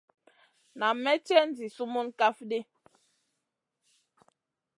Nan may cèn zi sumun kaf ɗi.